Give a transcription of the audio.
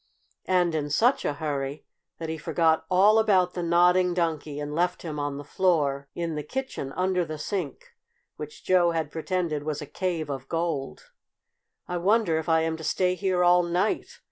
And in such a hurry that he forgot all about the Nodding Donkey and left him on the floor in the kitchen, under the sink, which Joe had pretended was a cave of gold. "I wonder if I am to stay here all night!